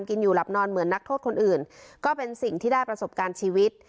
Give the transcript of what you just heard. กินอยู่หลับนอนเหมือนนักโทษคนอื่นก็เป็นสิ่งที่ได้ประสบการณ์ชีวิต